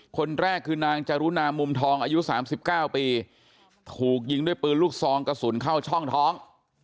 คนแรกคือนางจรุณามุมทองอายุ๓๙ปีถูกยิงด้วยปืนลูกซองกระสุนเข้าช่องท้อง